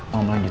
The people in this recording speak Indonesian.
maaf pak rendy